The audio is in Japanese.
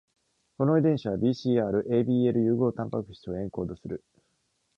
この遺伝子は、BCR-ABL 融合蛋白質をエンコードする。